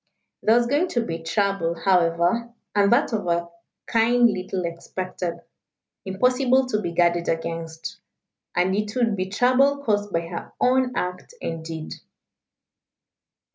There was going to be trouble, however, and that of a kind little expected, impossible to be guarded against. And it would be trouble caused by her own act and deed.